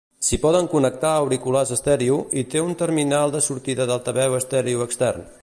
S'hi poden connectar auriculars estèreo, i té un terminal de sortida d'altaveu estèreo extern.